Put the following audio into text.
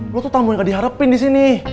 lo tuh tamu yang gak diharapin disini